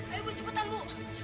ayo bu cepetan bu